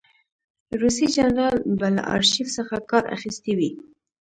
روسي جنرال به له آرشیف څخه کار اخیستی وي.